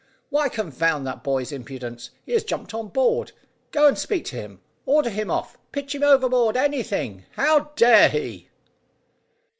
Why, confound that boy's impudence, he has jumped on board. Go and speak to him; order him off; pitch him overboard; anything. How dare he!"